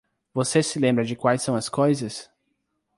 Você se lembra de quais são as coisas?